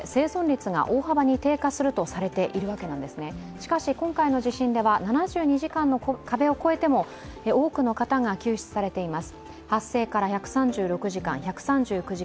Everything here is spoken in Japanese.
しかし今回の地震では７２時間の壁を超えても多くの方が救出されています。